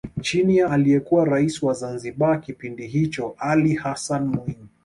Chini ya aliyekuwa Rais wa Zanzibar kipindi hicho Ali Hassani Mwinyi